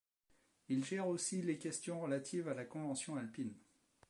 Il gère aussi les questions relatives à la convention alpine.